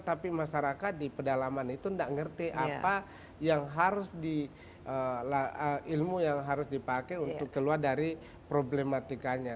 tapi masyarakat di pedalaman itu nggak ngerti apa yang harus di ilmu yang harus dipakai untuk keluar dari problematikanya